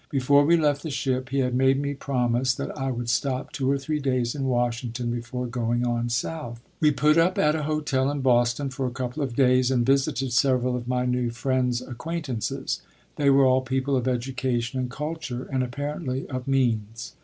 Before we left the ship, he had made me promise that I would stop two or three days in Washington before going on south. We put up at a hotel in Boston for a couple of days and visited several of my new friend's acquaintances; they were all people of education and culture and, apparently, of means.